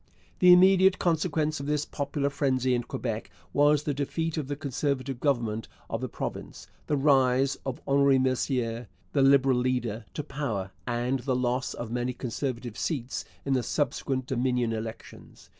The immediate consequence of this popular frenzy in Quebec was the defeat of the Conservative Government of the province, the rise of Honoré Mercier, the Liberal leader, to power, and the loss of many Conservative seats in the subsequent Dominion elections.